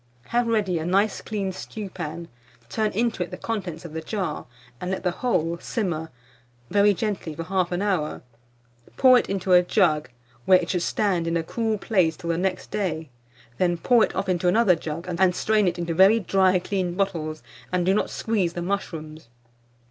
Have ready a nice clean stewpan; turn into it the contents of the jar, and let the whole simmer very gently for 1/2 hour; pour it into a jug, where it should stand in a cool place till the next day; then pour it off into another jug, and strain it into very dry clean bottles, and do not squeeze the mushrooms.